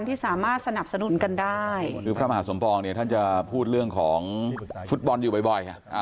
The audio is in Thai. ที่สามารถสนับสนุนกันได้คือพระมหาสมปองเนี่ยท่านจะพูดเรื่องของฟุตบอลอยู่บ่อย